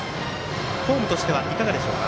フォームとしてはいかがでしょうか？